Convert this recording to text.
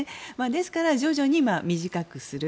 ですから徐々に短くする。